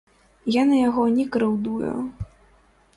Я на яго не крыўдую.